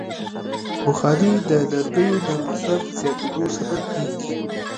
بخاري د لرګیو د مصرف زیاتیدو سبب کېږي.